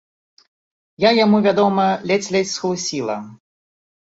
Я яму, вядома, ледзь-ледзь схлусіла.